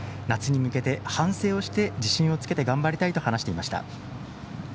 夏に向けて反省をして自信をつけて頑張りたいと話していました。